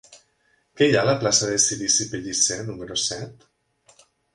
Què hi ha a la plaça de Cirici Pellicer número set?